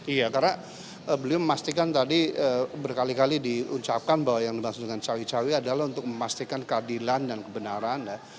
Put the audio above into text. iya karena beliau memastikan tadi berkali kali diuncapkan bahwa yang dimaksud dengan cawe cawe adalah untuk memastikan keadilan dan kebenaran ya